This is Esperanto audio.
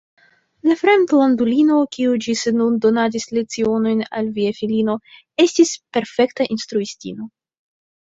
La fremdlandulino, kiu ĝis nun donadis lecionojn al via filino, estis perfekta instruistino.